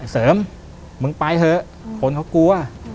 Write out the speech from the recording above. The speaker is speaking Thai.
เสริมมึงไปเถอะคนเขากลัว